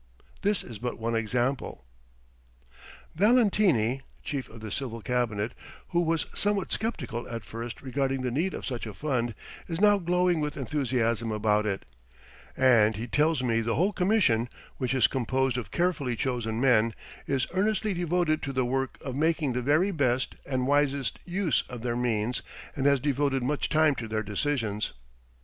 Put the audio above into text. This is but one example. Valentini (Chief of the Civil Cabinet), who was somewhat skeptical at first regarding the need of such a fund, is now glowing with enthusiasm about it, and he tells me the whole Commission, which is composed of carefully chosen men, is earnestly devoted to the work of making the very best and wisest use of their means and has devoted much time to their decisions.